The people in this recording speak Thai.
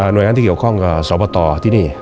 โดยงานที่เกี่ยวข้องกับสอบตที่นี่